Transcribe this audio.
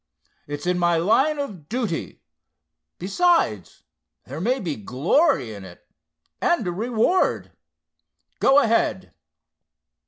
It's in my line of duty—besides, there may be glory in it, and a reward. Go ahead!"